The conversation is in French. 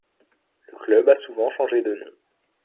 Le club a souvent changé de nom.